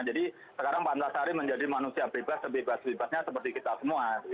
jadi sekarang pak antasari menjadi manusia bebas sebebas bebasnya seperti kita semua